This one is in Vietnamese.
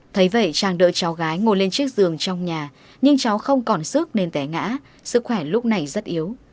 thấy vậy chàng đỡ cháu gái ngồi lên chiếc giường trong nhà nhưng cháu không còn sức nên tẻ ngã sức khỏe lúc này rất yếu